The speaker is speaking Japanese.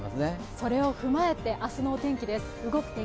それを踏まえて明日のお天気です。